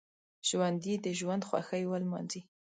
ژوندي د ژوند خوښۍ ولمانځي